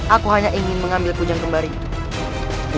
aku hanya ingin mengambil kujang kembar itu